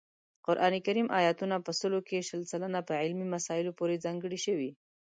قران کریم آیاتونه په سلو کې شل سلنه په علمي مسایلو پورې ځانګړي شوي